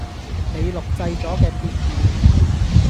您錄製左既片段